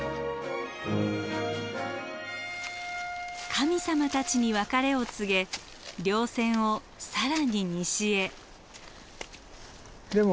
神様たちに別れを告げ稜線を更に西へ。